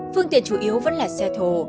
phương tiện chủ yếu vẫn là xe thổ